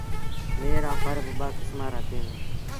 ميݩهن رآ ڦر ٻآ کسمآݩ رآ ٿئيٚݩ دآ۔